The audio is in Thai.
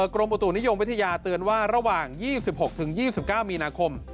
กรมอุตุนิยมวิทยาเตือนว่าระหว่าง๒๖๒๙มีนาคม